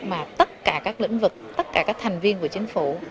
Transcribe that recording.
mà tất cả các lĩnh vực tất cả các thành viên của chính phủ